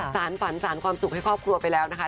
สารฝันสารความสุขให้ครอบครัวไปแล้วนะคะ